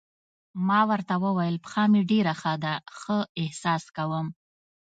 ما ورته وویل: پښه مې ډېره ښه ده، ښه احساس کوم.